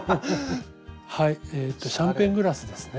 はいえっとシャンパングラスですね。